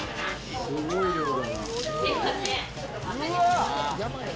すごい量だな。